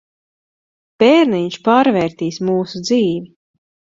Bērniņš pārvērtīs mūsu dzīvi.